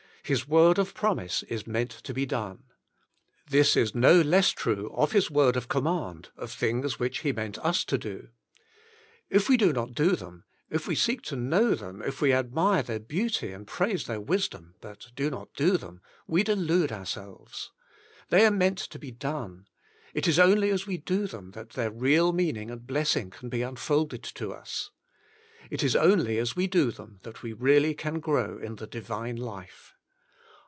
His word of promise is meant to be done. This is no less true of His word of command, of things which He meant IJs to Do. If we do not do them, if we seek to know them, if we admire their beauty and praise their wisdom, but do not Do Them, we delude ourselves. They are meant To Be Done; it is only as we do them that their real meaning and blessing can be unfolded to us. It is only as we do them, that we really can grow in the Divine life.